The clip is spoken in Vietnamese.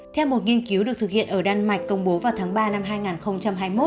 theo một nghiên cứu được thực hiện ở đan mạch công bố vào tháng ba năm hai nghìn hai mươi một